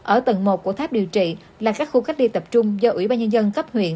ở tầng một của tháp điều trị là các khu cách ly tập trung do ủy ban nhân dân cấp huyện